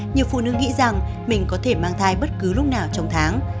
nhiều phụ nữ nghĩ rằng mình có thể mang thai bất cứ lúc nào trong tháng